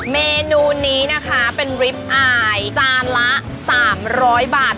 เมนูนี้นะคะเป็นริปอายจานละ๓๐๐บาท